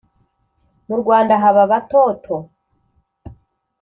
mu rwanda haba aba toto